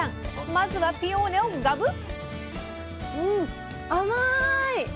まずはピオーネをガブッ！